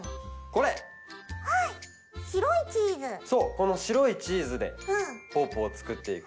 このしろいチーズでポッポをつくっていく。